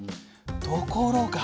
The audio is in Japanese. ところが